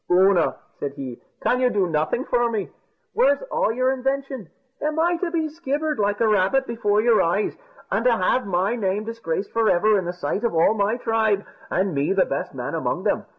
"Oonagh," said he, "can you do nothing for me? Where's all your invention? Am I to be skivered like a rabbit before your eyes, and to have my name disgraced for ever in the sight of all my tribe, and me the best man among them?